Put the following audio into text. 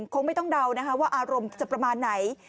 คงไม่ต้องเดานะคะว่าอารมณ์จะประมาณไหน